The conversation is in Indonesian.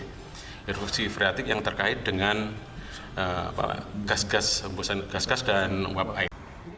jadi erupsi friatik yang terkait dengan gas gas dan air